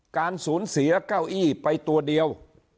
การศูนย์เสีย๙อีไปตัวเดียว